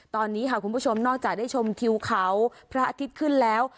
ตอนนี้ค่ะคุณผู้ชมนอกจากได้ชมทิวเขาพระอาทิตย์ขึ้นแล้ว